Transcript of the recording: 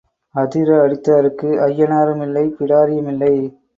அதிர அடித்தாருக்கு ஐயனாரும் இல்லை பிடாரியும் இல்லை.